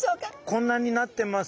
こんなになってます。